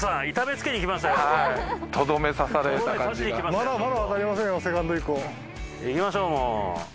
いきましょうもう。